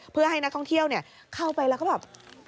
เพื่อให้นักท่องเที่ยวเข้าไปแล้วก็แบบ